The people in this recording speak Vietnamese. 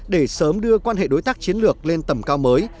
để sớm đưa quan hệ đối tác chiến lược lên tầm cao mới